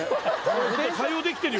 対応できてるよ